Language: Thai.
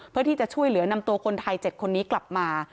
เพื่อที่จะช่วยเหลือนำตัวคนไทย๗คนนี้กลับมา